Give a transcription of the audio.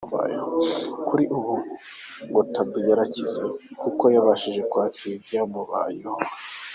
Kuri ubu ariko ngo Tabu yakize ku buryo yabashije kwakira ibyamubayeho.